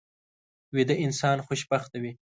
ویده انسان خوشبخته وي